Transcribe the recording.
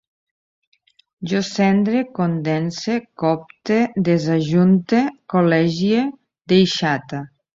Jo cendre, condense, coopte, desajunte, col·legie, deixate